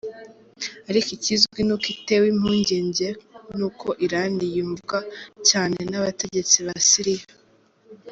Ariko ikizwi ni uko itewe impungenge nuko Irani yumvwa cyane n'abategetsi ba Syria.